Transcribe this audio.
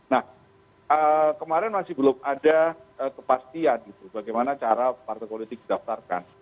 nah kemarin masih belum ada kepastian gitu bagaimana cara partai politik didaftarkan